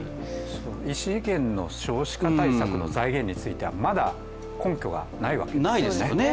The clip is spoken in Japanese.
異次元の少子化対策の財源についてはまだ根拠がないわけですよね。